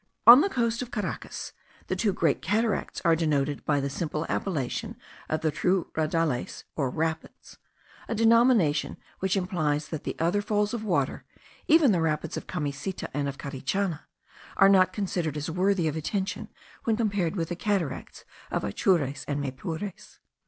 On the coast of Caracas, the two Great Cataracts are denoted by the simple appellation of the two Raudales, or rapids; a denomination which implies that the other falls of water, even the rapids of Camiseta and of Carichana, are not considered as worthy of attention when compared with the cataracts of Atures and Maypures.